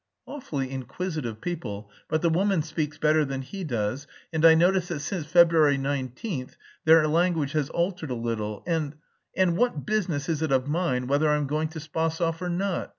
"Awfully inquisitive people; but the woman speaks better than he does, and I notice that since February 19,* their language has altered a little, and... and what business is it of mine whether I'm going to Spasov or not?